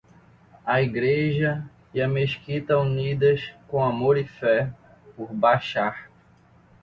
A Igreja e a Mesquita unidas, com amor e fé, por Bashar